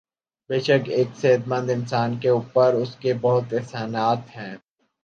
بیشک ایک صحت مند اانسان کے اوپر اسکے بہت احسانات ہیں